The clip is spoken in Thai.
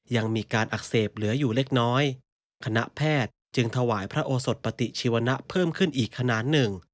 ยังมีการอักเสบเหลืออยู่เล็กน้อยคณะแพทย์จึงถวายพระโอสดปฏิชีวนะเพิ่มขึ้นอีกขนาดหนึ่ง